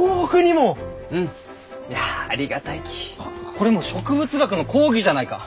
これもう植物学の講義じゃないか！